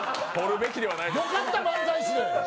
よかった、漫才師で。